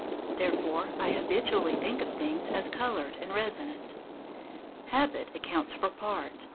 Therefore I habitually think of things as coloured and resonant. Habit accounts for part.